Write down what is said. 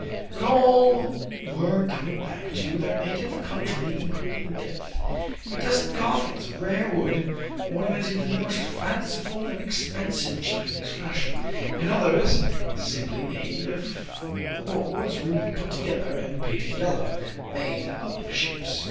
But all were coming back to their native country equal in death. A dozen coffins of rare wood, ornamented in the most fanciful and expensive Chinese fashion, and others simply made of four boards rudely put together and painted yellow, made up the ship's cargo.